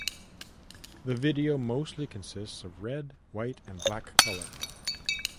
The video mostly consists of red, white, and black color.